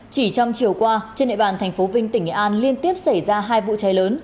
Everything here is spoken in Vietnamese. chỉ trong chiều qua trên hệ bản tp vinh tỉnh an liên tiếp xảy ra hai vụ cháy lớn